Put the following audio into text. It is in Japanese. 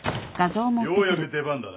ようやく出番だな。